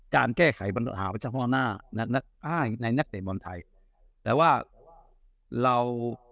การแก้ไขปัญหาประชาภาณานักนักนักใดบอลไทยแต่ว่าเรา